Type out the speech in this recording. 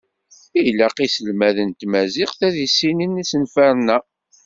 Ilaq iselmaden n tmaziɣt ad issinen isenfaṛen-a.